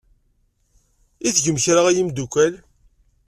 I tgem kra a imeddukal?